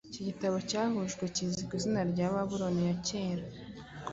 iki gitabo cyahujwekizwi ku izina rya Babuloni ya kera